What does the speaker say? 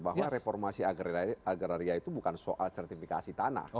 bahwa reformasi agraria itu bukan soal sertifikasi tanah